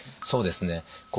そうですね。